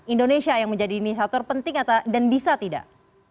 indonesia yang menjadi inisiator penting dan bisa tidak